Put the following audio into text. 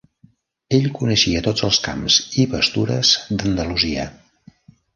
Ell coneixia tots els camps i pastures d'Andalusia.